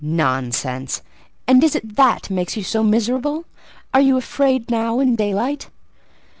"Nonsense! And is it that makes you so miserable? Are you afraid now in daylight?"